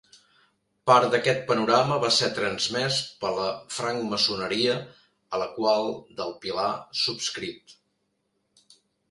Part d'aquest panorama va ser transmès per la francmaçoneria, a la qual del Pilar subscrit.